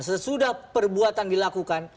sesudah perbuatan dilakukan